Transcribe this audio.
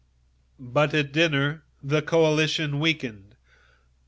But at dinner the coalition weakened.